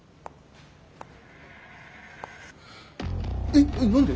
えっ何で？